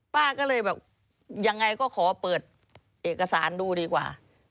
ป้าก็เลยแบบยังไงก็ขอเปิดเอกสารดูดีกว่า